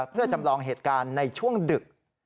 เพื่อจำลองเหตุการณ์ในช่วงดึก